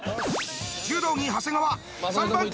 柔道着長谷川３番手。